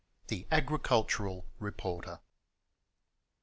The Agricultural Reporter.